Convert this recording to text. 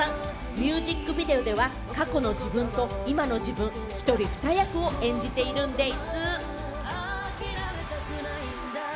ミュージックビデオでは過去の自分と今の自分、一人二役を演じているんでぃす。